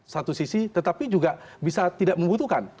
satu sisi tetapi juga bisa tidak membutuhkan